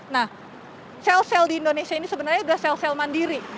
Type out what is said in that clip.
nah sel sel di indonesia ini sebenarnya sudah sel sel mandiri